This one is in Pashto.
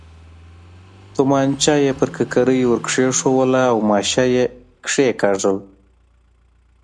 تومانچه یې پر ککرۍ ور کېښووله او ماشه یې کېکاږل.